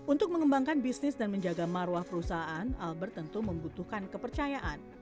untuk mengembangkan bisnis dan menjaga marwah perusahaan albert tentu membutuhkan kepercayaan